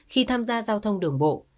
khi tham gia giao thông đường bộ